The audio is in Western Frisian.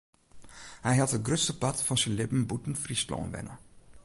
Hy hat it grutste part fan syn libben bûten Fryslân wenne.